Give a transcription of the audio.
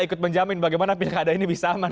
ikut menjamin bagaimana pilkada ini bisa aman